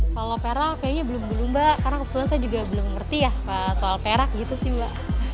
kalau perak kayaknya belum dulu mbak karena kebetulan saya juga belum ngerti ya soal perak gitu sih mbak